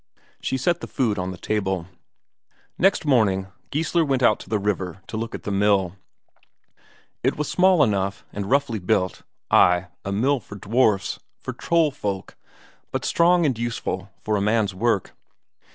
She set the food on the table. Next morning Geissler went out to the river to look at the mill. It was small enough, and roughly built; ay, a mill for dwarfs, for trollfolk, but strong and useful for a man's work.